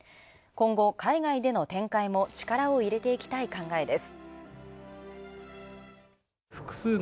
今後、海外での展開も力を入れていきたい考えです。